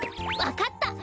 わかった！